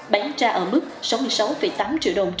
bán ra ở mức sáu mươi sáu tám triệu đồng